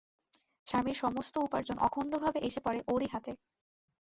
স্বামীর সমস্ত উপার্জন অখণ্ডভাবে এসে পড়ে ওরই হাতে।